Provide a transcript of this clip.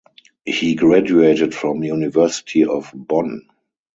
He graduated from University of Bonn.